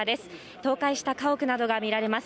倒壊した家屋などが見られます。